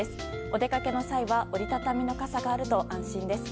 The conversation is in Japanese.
お出かけの際は折り畳みの傘があると安心です。